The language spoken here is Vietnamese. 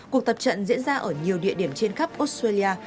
cuộc tập trận diễn ra ở nhiều địa điểm trên khắp australia